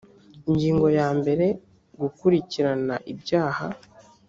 ingingo ya mbere gukurikirana ibyaha